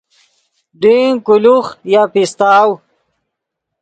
ڈینگ کولوخ یا پیستاؤ